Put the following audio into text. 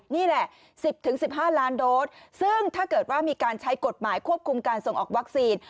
นี่แหละ๑๐๑๕ล้านโดสซึ่งถ้าเกิดว่ามีการใช้กฎหมายควบคุมการส่งออกวัคซีน